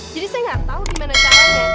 jadi saya gak tahu gimana caranya